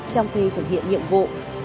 trong khi thực hiện nhiệm vụ